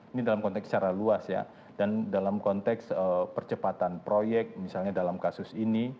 ini dalam konteks secara luas ya dan dalam konteks percepatan proyek misalnya dalam kasus ini